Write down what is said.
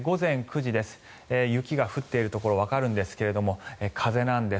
午前９時雪が降っているところわかるんですが風なんです。